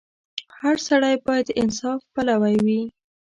• هر سړی باید د انصاف پلوی وي.